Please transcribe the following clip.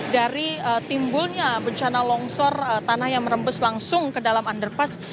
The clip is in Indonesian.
dari timbulnya bencana longsor tanah yang merembes langsung ke dalam underpass